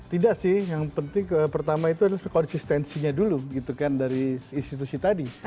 tidak sih yang penting pertama itu adalah konsistensinya dulu gitu kan dari institusi tadi